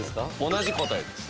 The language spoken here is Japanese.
同じ答えです。